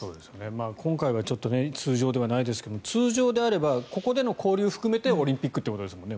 今回はちょっと通常ではないですが通常であればここでの交流含めてオリンピックということですもんね。